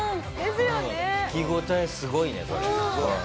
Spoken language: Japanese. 聞き応えすごいねこれ。